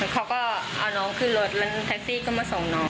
เขาก็เอาน้องขึ้นรถแล้วแท็กซี่ก็มาส่งน้อง